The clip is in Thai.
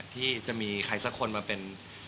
ที่จะมีใครสักคนมาเป็น